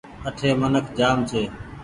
اٺي منک جآم ڇي۔